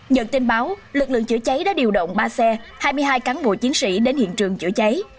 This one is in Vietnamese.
nhận tin báo lực lượng chữa cháy đã điều động ba xe hai mươi hai cán bộ chiến sĩ đến hiện trường chữa cháy